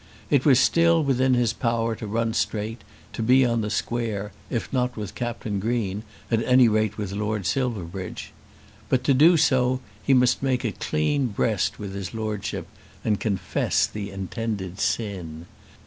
It was still within his power to run straight; to be on the square, if not with Captain Green, at any rate with Lord Silverbridge. But to do so he must make a clean breast with his Lordship and confess the intended sin.